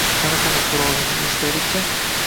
Qani-qani, so‘rovingni eshitaylik-chi